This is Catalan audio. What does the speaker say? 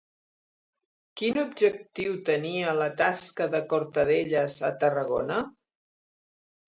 Quin objectiu tenia la tasca de Cortadellas a Tarragona?